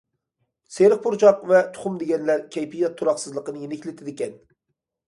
سېرىق پۇرچاق ۋە تۇخۇم دېگەنلەر كەيپىيات تۇراقسىزلىقنى يېنىكلىتىدىكەن.